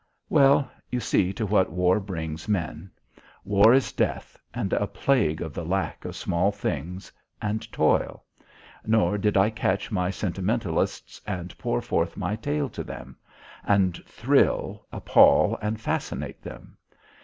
_" Well, you see to what war brings men? War is death, and a plague of the lack of small things, and toil. Nor did I catch my sentimentalists and pour forth my tale to them, and thrill, appal, and fascinate them.